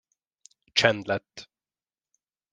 Csend lett.